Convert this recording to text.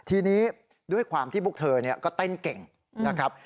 ทีนี้ด้วยความที่พวกเธอก็เต้นเก่งนะครับ